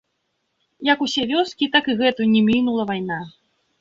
Як усе вёскі, так і гэту, не мінула вайна.